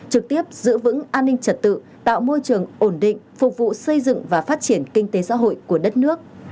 trực tiếp giữ vững an ninh trật tự tạo môi trường ổn định phục vụ xây dựng và phát triển kinh tế xã hội của đất nước